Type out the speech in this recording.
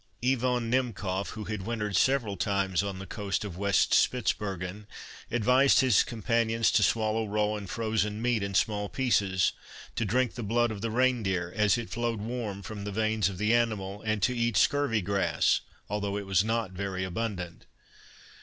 Iwan Himkof, who had wintered several times on the coast of West Spitzbergen, advised his companions to swallow raw and frozen meat in small pieces; to drink the blood of the rein deer, as it flowed warm from the veins of the animal, and to eat scurvy grass, although it was not very abundant.